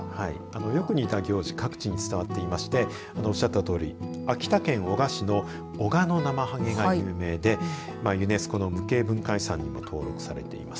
よく似た行事各地に伝わっていましておっしゃったとおり秋田県男鹿市の男鹿のナマハゲが有名でユネスコの無形文化遺産にも登録されています。